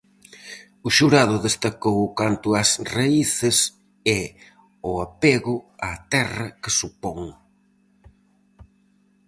O Xurado destacou o canto ás raíces e ao apego á terra que supón.